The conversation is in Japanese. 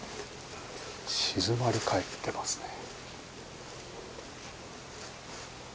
静まり返っていますね。